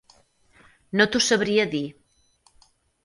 No t'ho sabria dir.